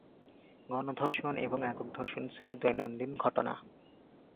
গণধর্ষণ এবং একক ধর্ষণ ছিল দৈনন্দিন ঘটনা।